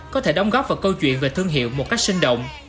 có thể đóng góp vào câu chuyện về thương hiệu một cách sinh động